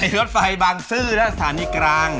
รถไฟบางซื่อและสถานีกลาง